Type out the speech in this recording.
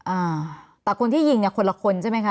อ่าแต่คนที่ยิงเนี่ยคนละคนใช่ไหมคะ